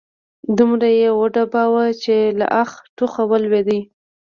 دومره يې وډباوه چې له اخه، ټوخه ولوېد